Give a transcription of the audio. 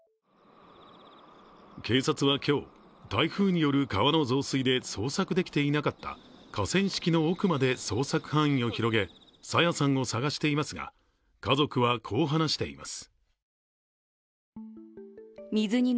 警察は今日、台風による川の増水で捜索できていなかった河川敷の奥まで捜索範囲を広げ朝芽さんを捜していますが、家族はこう話しています。